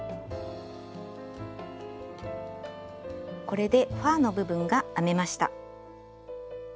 これでファーの部分が編めました。